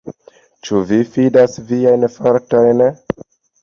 Ĉu vi fidas viajn fortojn?